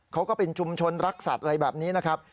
เขาก็เป็นชุมชนรักสัตว์อะไรแบบนี้นะครับ